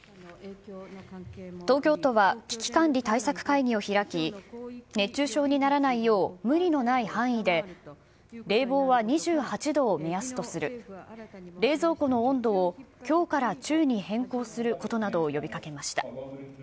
東京都は危機管理対策会議を開き、熱中症にならないよう、無理のない範囲で冷房は２８度を目安とする、冷蔵庫の温度を強から中に変更することなどを呼びかけました。